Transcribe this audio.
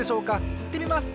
いってみます！